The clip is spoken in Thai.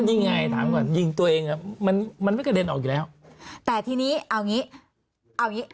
เยี่ยงไงตัวเองมันมันไม่กระเด็นออกแล้วแต่ที่นี้เอาอย่างงี้